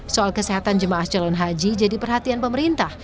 soal kesehatan jemaah calon haji jadi perhatian pemerintah